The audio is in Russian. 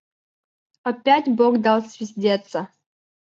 – Опять бог дал свидеться.